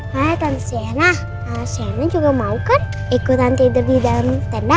hai tante siana tante siana juga mau kan ikutan tidur di dalam tenda